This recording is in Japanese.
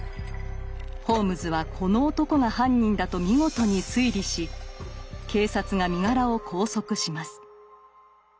ホームズはこの男が犯人だと見事に推理し警察が身柄を拘束します。